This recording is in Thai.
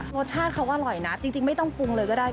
รสชาติเขาอร่อยนะจริงไม่ต้องปรุงเลยก็ได้